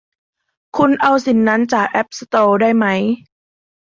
คุณเอาสิ่งนั้นจากแอพสโตร์ได้มั้ย